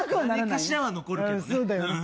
何かしらは残るけどね。